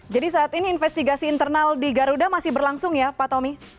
jadi saat ini investigasi internal di garuda masih berlangsung ya pak tommy